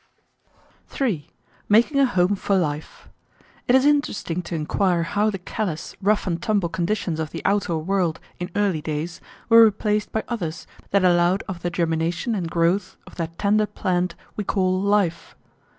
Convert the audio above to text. § 3 Making a Home for Life It is interesting to inquire how the callous, rough and tumble conditions of the outer world in early days were replaced by others that allowed of the germination and growth of that tender plant we call LIFE.